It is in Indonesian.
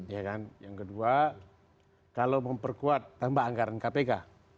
ya kan yang kedua kalau memperkuat tambah anggaran kpk